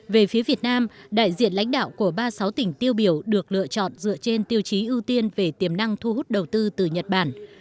về phía việt nam đại diện lãnh đạo của ba mươi sáu tỉnh tiêu biểu được lựa chọn dựa trên tiêu chí ưu tiên về tiềm năng thu hút đầu tư từ nhật bản